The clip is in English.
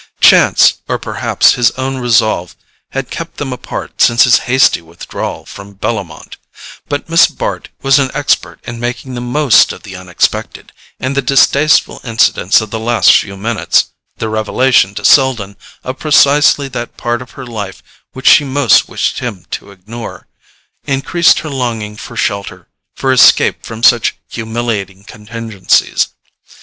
Chance, or perhaps his own resolve, had kept them apart since his hasty withdrawal from Bellomont; but Miss Bart was an expert in making the most of the unexpected, and the distasteful incidents of the last few minutes—the revelation to Selden of precisely that part of her life which she most wished him to ignore—increased her longing for shelter, for escape from such humiliating contingencies.